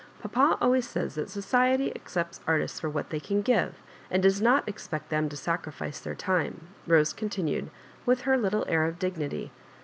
Papa always says that society accepts artists for what they can give, and does not ex pect them to sacrifice their time," Bose con tinued, with her little air of dignity.